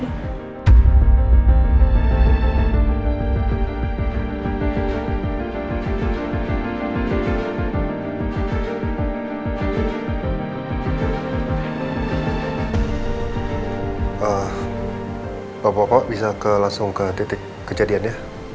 bapak bapak bisa ke langsung ke titik kejadiannya